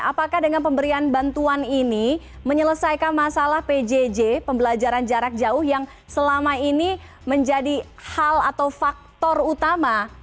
apakah dengan pemberian bantuan ini menyelesaikan masalah pjj pembelajaran jarak jauh yang selama ini menjadi hal atau faktor utama